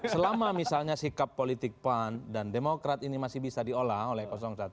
selama misalnya sikap politik pan dan demokrat ini masih bisa diolah oleh satu